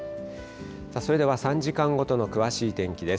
それでは３時間ごとの詳しい天気です。